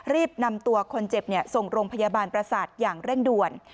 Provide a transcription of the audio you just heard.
รีบนำตัวคนเจ็บส่งโรงพยาบาลประสาทอย่างเร่งด่วน